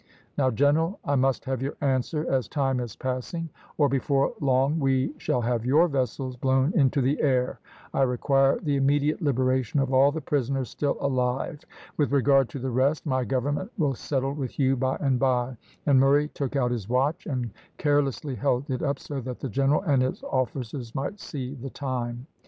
Now, general, I must have your answer, as time is passing, or, before long, we shall have your vessels blown into the air. I require the immediate liberation of all the prisoners still alive. With regard to the rest, my government will settle with you by and by," and Murray took out his watch, and carelessly held it up, so that the general and his officers might see the time.